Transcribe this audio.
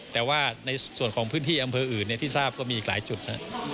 แต่ว่าในส่วนของพื้นที่อำเภออื่นที่ทราบก็มีอีกหลายจุด